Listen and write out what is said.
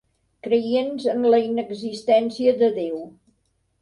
Creients en la inexistència de Déu.